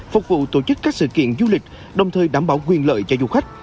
phục vụ tổ chức các sự kiện du lịch đồng thời đảm bảo quyền lợi cho du khách